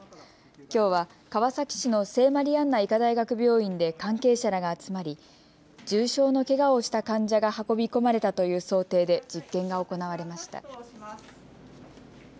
きょうは川崎市の聖マリアンナ医科大学病院で関係者らが集まり重傷のけがをした患者が運び込まれたという想定で実験が行われました。